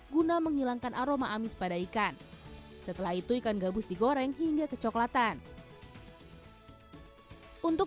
guna menghilangkan aroma amis pada ikan setelah itu ikan gabus digoreng hingga kecoklatan untuk